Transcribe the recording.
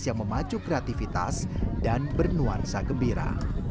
yang memacu kreativitas dan bernuansa gembira